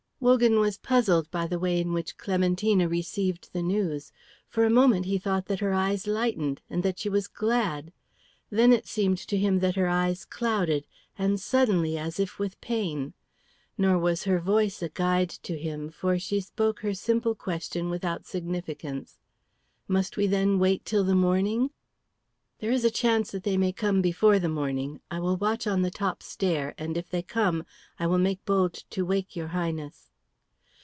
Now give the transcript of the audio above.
Wogan was puzzled by the way in which Clementina received the news. For a moment he thought that her eyes lightened, and that she was glad; then it seemed to him that her eyes clouded and suddenly as if with pain. Nor was her voice a guide to him, for she spoke her simple question without significance, "Must we wait, then, till the morning?" "There is a chance that they may come before the morning. I will watch on the top stair, and if they come I will make bold to wake your Highness."